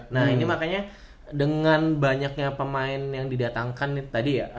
nah ini makanya dengan banyaknya pemain yang didatangkan nih tadi ya